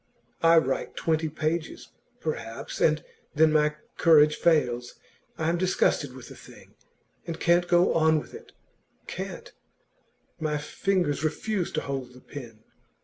I write twenty pages, perhaps, and then my courage fails. I am disgusted with the thing, and can't go on with it can't! My fingers refuse to hold the pen.